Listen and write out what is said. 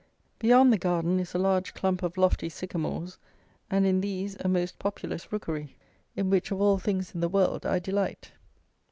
Beyond the garden is a large clump of lofty sycamores, and in these a most populous rookery, in which, of all things in the world, I delight.